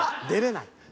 出れない？